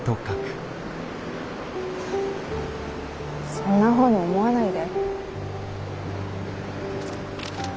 そんなふうに思わないで。